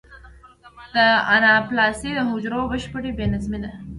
د اناپلاسیا د حجرو بشپړ بې نظمي ده.